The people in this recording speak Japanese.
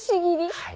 はい。